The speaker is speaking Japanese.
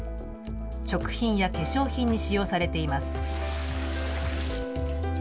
食品や化粧品に使用されています。